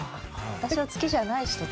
私を好きじゃない人と？